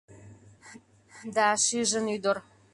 Да, шижын ӱдыр.